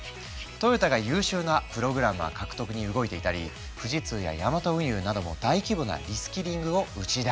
トヨタが優秀なプログラマー獲得に動いていたり富士通やヤマト運輸なども大規模なリスキリングを打ち出したり。